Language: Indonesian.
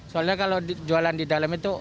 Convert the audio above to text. soalnya kalau jualan di dalam itu